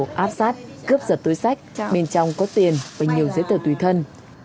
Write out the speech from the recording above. áp sát cướp giật túi sách bên trong có tiền và nhiều giấy tờ tùy thân